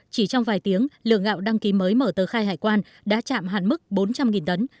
chỉ trong vài tiếng lượng gạo đăng ký mới mở tờ khai hải quan đã chạm hạn mức bốn trăm linh tấn